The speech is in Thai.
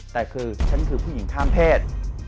แต่คือฉันคือผู้หญิงข้ามเพศ